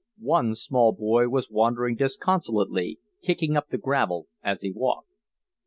One small boy was wandering disconsolately, kicking up the gravel as he walked.